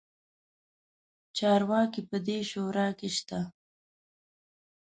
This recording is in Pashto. چارواکي په دې شورا کې شته.